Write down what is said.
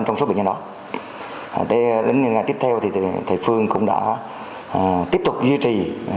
trong số bệnh nhân đó đến những ngày tiếp theo thì thầy phương cũng đã tiếp tục duy trì